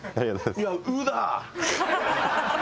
いや「う」だ！